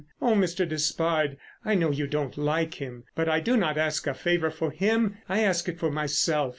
Oh, Mr. Despard, I know you don't like him, but I do not ask a favour for him. I ask it for myself.